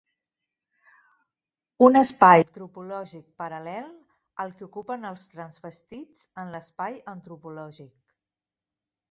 Un espai tropològic paral·lel al que ocupen els transvestits en l'espai antropològic.